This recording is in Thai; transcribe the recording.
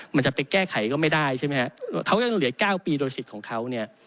มันจะไปแก้ไขก็ไม่ได้ใช่ไหมฮะเขาก็ยังเหลือ๙ปีโดยสิทธิ์ของเขาเนี่ย